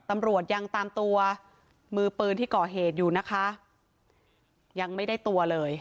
ตำรวจยังตามตัวมือปืนที่ก่อเหตุอยู่นะคะยังไม่ได้ตัวเลย